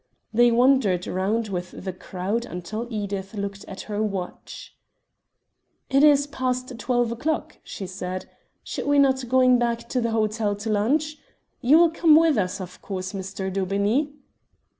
They wandered round with the crowd until Edith looked at her watch. "It is past twelve o'clock," she said. "Should we not be going back to the hotel to lunch? You will come with us, of course, Mr. Daubeney?"